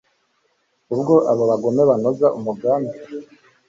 Ubwo abo bagome banoza umugambi